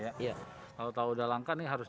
dr syah naf mateus penjelasan agensi